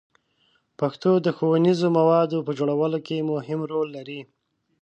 پښتو د ښوونیزو موادو په جوړولو کې مهم رول لري.